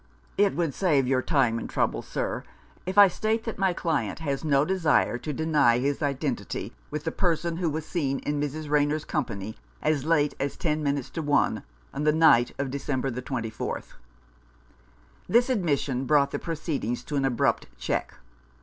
" It would save your time and trouble, sir, if I state that my client has no desire to deny his identity with the person who was seen in Mrs. Rayner's company as late as ten minutes to one on the night of December 24th." This admission brought the proceedings to an abrupt check.